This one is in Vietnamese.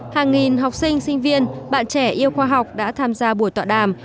hàng nghìn học sinh sinh viên bạn trẻ yêu khoa học đã tham gia buổi tọa đàm